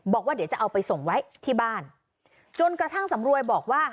บอกว่าเดี๋ยวจะเอาไปส่งไว้ที่บ้านจนกระทั่งสำรวยบอกว่า